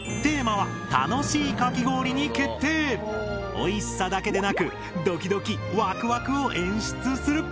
おいしさだけでなくドキドキワクワクを演出する！